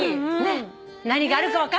何があるか分かんないけども。